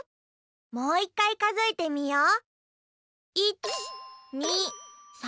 もう１かいかぞえてみよう。